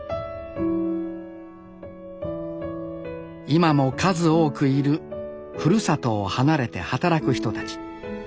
今も数多くいるふるさとを離れて働く人たち。